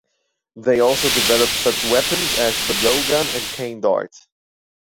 They also developed such weapons as the blow gun and cane dart.